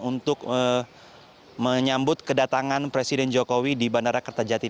untuk menyambut kedatangan presiden jokowi di bandara kertajati